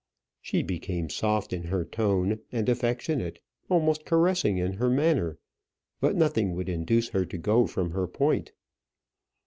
She became soft in her tone, and affectionate, almost caressing in her manner; but nothing would induce her to go from her point.